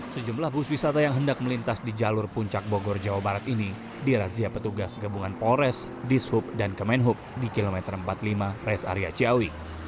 sejumlah bus wisata yang hendak melintas di jalur puncak bogor jawa barat ini dirazia petugas gabungan polres dishub dan kemenhub di kilometer empat puluh lima rest area ciawi